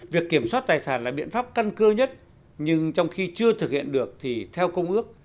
việc kiểm soát tài sản là biện pháp căn cơ nhất nhưng trong khi chưa thực hiện được thì theo công ước